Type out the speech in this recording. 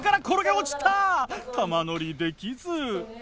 玉乗りできず！